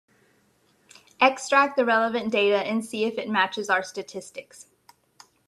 Extract the relevant data and see if it matches our statistics.